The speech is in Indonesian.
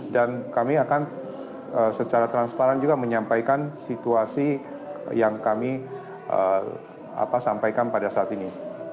dan kami akan secara transparan juga menyampaikan situasi yang kami sampaikan pada saat ini